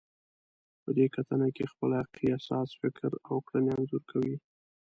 په دې کتنه کې خپل حقیقي احساس، فکر او کړنې انځور کوئ.